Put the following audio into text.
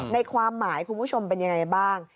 ความหมายคุณผู้ชมเป็นยังไงบ้าง